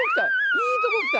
いいとこきた！